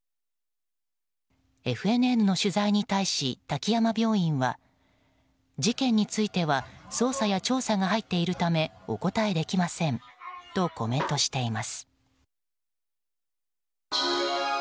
ＦＮＮの取材に対し、滝山病院は事件については捜査や調査が入っているためお答えできませんとコメントしています。